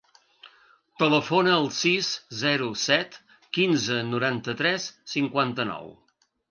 Telefona al sis, zero, set, quinze, noranta-tres, cinquanta-nou.